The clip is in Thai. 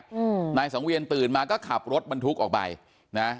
อืมนายสังเวียนตื่นมาก็ขับรถบรรทุกออกไปนะ